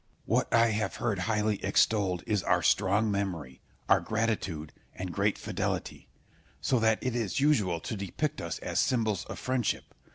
Scip. What I have heard highly extolled is our strong memory, our gratitude, and great fidelity; so that it is usual to depict us as symbols of friendship.